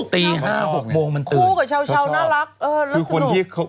คู่กับเช้าโชว์น่ารัก